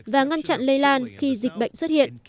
và ngăn chặn lây lan khi dịch bệnh xuất hiện